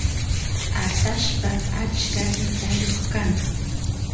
atashpa achka itayoq kan